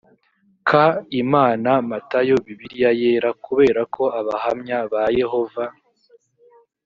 k imana matayo bibiliya yera kubera ko abahamya ba yehova